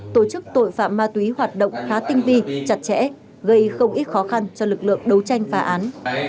tổ chức tội phạm ma túy hoạt động khá tinh vi chặt chẽ gây không ít khó khăn cho lực lượng đấu tranh phá án